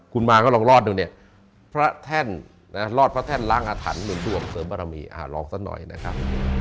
คุณมาก็ลองรอดดูเนี่ยพระแท่นรอดพระแท่นล้างอาถรรพ์หนุนถ่วงเสริมบารมีลองสักหน่อยนะครับ